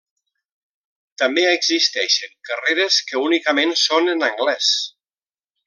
També existeixen carreres que únicament són en anglès.